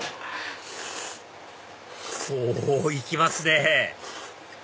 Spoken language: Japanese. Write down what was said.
おいきますね